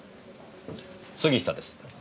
杉下です。